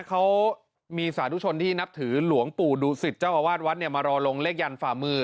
เขามีสาธุชนที่นับถือหลวงปู่ดูสิตเจ้าอาวาสวัดมารอลงเลขยันฝ่ามือ